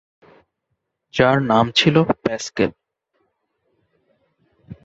যার নাম ছিল প্যাসকেল।